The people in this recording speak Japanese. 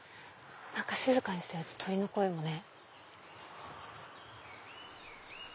静かにしてると鳥の声もね。